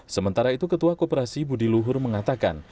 sementara itu ketua koperasi budi luhur mengatakan